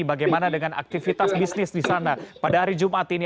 bagaimana dengan aktivitas bisnis di sana pada hari jumat ini